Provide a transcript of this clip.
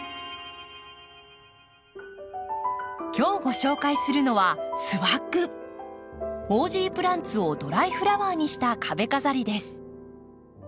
今日ご紹介するのはオージープランツをドライフラワーにした壁飾りです。